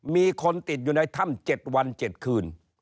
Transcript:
มีคนติดอยู่ในถ้ำ๗วัน๗คืน